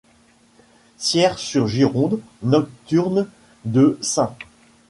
Ciers sur Gironde, nocturne de St.